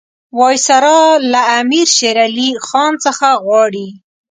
وایسرا له امیر شېر علي خان څخه غواړي.